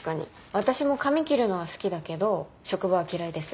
私も髪切るのは好きだけど職場は嫌いです。